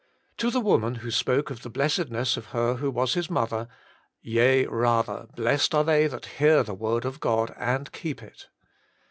To the woman who spoke of the blessedness of her who was his mother :* Yea rather, blessed are they that hear the word of God and keep it.'